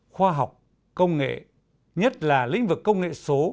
khoa học công nghệ nhất là lĩnh vực công nghệ số